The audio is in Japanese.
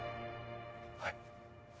はい。